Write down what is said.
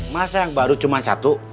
masa yang baru cuma satu